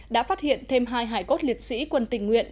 đã phát hiện thêm hai hải cốt liệt sĩ quân tình nguyện